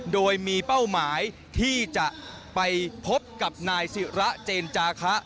โดยมีเป้าหมายที่จะไปพบกับนายศิระเจนจาคะ